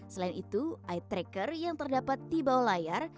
selain itu eye tracker yang terdapat di bawah layar